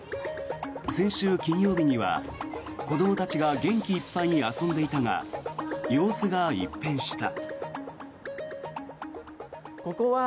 先週金曜日には、子どもたちが元気いっぱいに遊んでいたが様子が一変した。